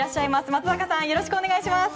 松坂さんよろしくお願いします。